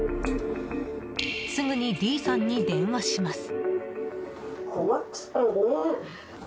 すぐにＤさんに電話します。